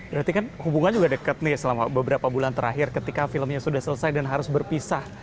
berarti kan hubungan juga dekat nih selama beberapa bulan terakhir ketika filmnya sudah selesai dan harus berpisah